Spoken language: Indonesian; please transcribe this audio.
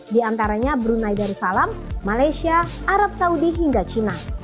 diantaranya brunei darussalam malaysia arab saudi hingga china